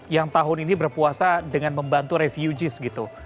yang tahun ini berpuasa dengan membantu refugees gitu